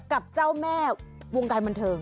กับเจ้าแม่วงการบันเทิง